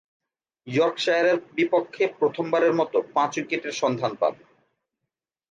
ইয়র্কশায়ারের বিপক্ষে প্রথমবারের মতো পাঁচ-উইকেটের সন্ধান পান।